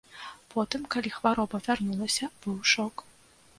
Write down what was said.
Потым, калі хвароба вярнулася, быў шок.